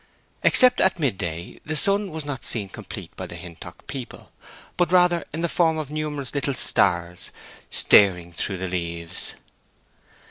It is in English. Except at mid day the sun was not seen complete by the Hintock people, but rather in the form of numerous little stars staring through the leaves.